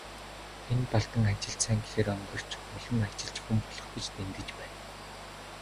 Энэ Балдан ажилд сайн гэхээр онгирч, улам ажилч хүн болох гэж дэндэж байна.